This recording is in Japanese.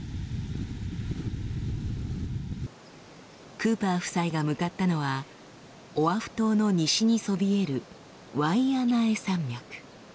クーパー夫妻が向かったのはオアフ島の西にそびえるワイアナエ山脈。